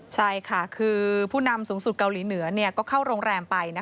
ใช่ค่ะคือผู้นำสูงสุดเกาหลีเหนือก็เข้าโรงแรมไป